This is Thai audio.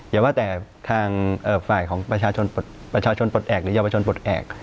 อย่างว่าแต่ทางฝ่ายของประชาชนปลดแอบหรือยอบชนปลดแอบ